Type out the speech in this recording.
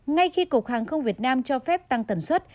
ngay khi cục hàng không việt nam cho phép tăng tần suất